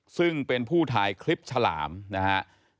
ซึ่งเป็นผู้ถ่ายคลิปฉลามนะครับ